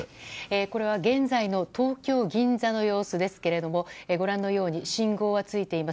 これは現在の東京・銀座の様子ですがご覧のように信号はついています。